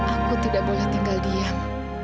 aku tidak boleh tinggal diam